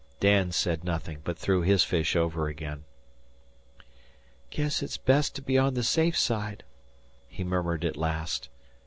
Dan said nothing, but threw his fish over again. "Guess it's best to be on the safe side," he murmured at last.